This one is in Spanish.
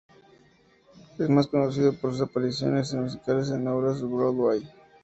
Es más conocido por sus apariciones en musicales y obras en Broadway.